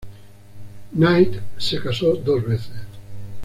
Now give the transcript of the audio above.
Knight se casó dos veces.